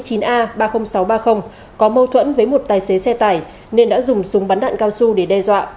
có mâu thuẫn với một tài xế xe tải nên đã dùng súng bắn đạn cao su để đe dọa